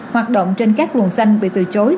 hoạt động trên các luồng xanh bị từ chối